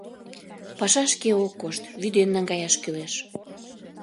Паша шке ок кошт; вӱден наҥгаяш кӱлеш.